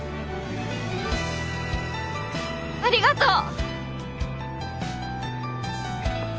ありがとう。